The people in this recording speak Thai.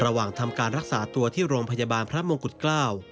ระหว่างทำการรักษาตัวที่โรงพยาบาลพระมงกุฎเกล้า